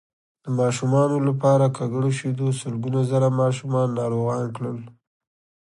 د ماشومانو لپاره ککړو شیدو سلګونه زره ماشومان ناروغان کړل